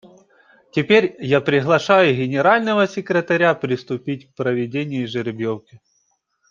Теперь я приглашаю Генерального секретаря приступить к проведению жеребьевки.